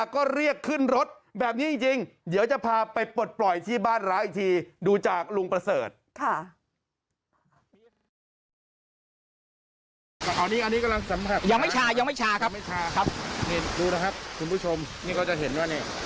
คุณคุณผู้ชมเนี่ยเขาจะเห็นนี่